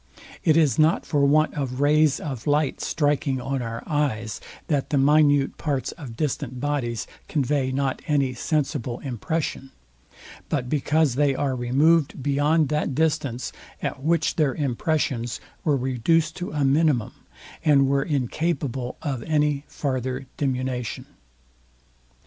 It is not for want of rays of light striking on our eyes, that the minute parts of distant bodies convey not any sensible impression; but because they are removed beyond that distance, at which their impressions were reduced to a minimum, and were incapable of any farther diminution.